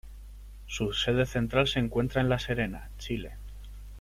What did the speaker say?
Su sede central se encuentra en La Serena, Chile.